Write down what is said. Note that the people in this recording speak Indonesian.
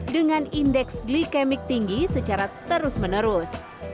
dengan indeks glikemik tinggi secara terus menerus